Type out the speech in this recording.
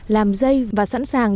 làm dây và sẵn sàng